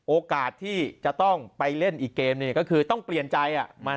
โอกาสที่จะต้องไปเล่นอีกเกมหนึ่งก็คือต้องเปลี่ยนใจ